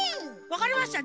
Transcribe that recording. わかりました。